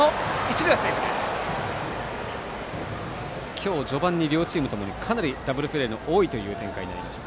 今日序盤に両チームともにかなりダブルプレーが多いという展開になりました。